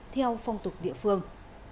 theo phong tục địa phương